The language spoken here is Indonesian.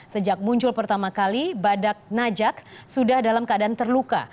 sejak muncul pertama kali badak najak sudah dalam keadaan terluka